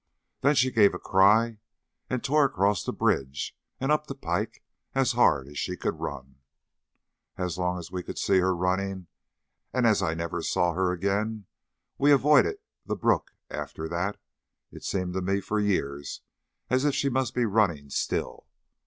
Then she gave a cry, and tore across the bridge and up the 'pike as hard as she could run. As long as we could see her she was running, and as I never saw her again we avoided the brook after that it seemed to me for years as if she must be running still.